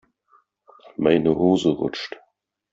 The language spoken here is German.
Meine Hose rutscht.